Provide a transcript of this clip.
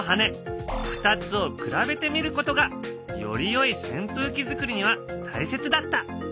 ２つを比べてみることがよりよいせん風機づくりには大切だった。